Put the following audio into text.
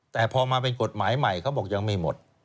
แต่พอมาเป็นกฎหมายใหม่เขาบอกยังไม่หมด